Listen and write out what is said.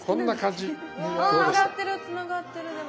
つながってるつながってるでも。